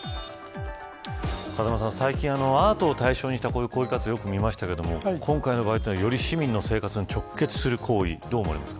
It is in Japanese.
風間さん、最近アートを対象にした抗議活動をよく見ましたけど今回は、より市民の生活に直結する行為。